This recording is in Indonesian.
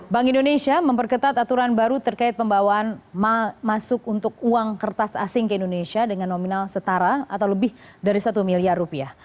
bank indonesia memperketat aturan baru terkait pembawaan masuk untuk uang kertas asing ke indonesia dengan nominal setara atau lebih dari satu miliar rupiah